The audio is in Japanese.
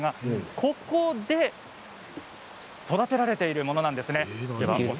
ここで育てられているものです。